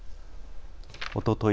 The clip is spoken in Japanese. おととい